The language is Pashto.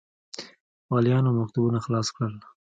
والیانو مکتوبونه خلاص کړل.